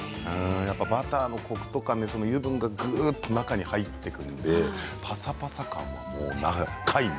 バターのコクとか油分がぐっと中に入ってくるのでぱさぱさ感は皆無。